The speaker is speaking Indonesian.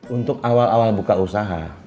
untuk awal awal buka usaha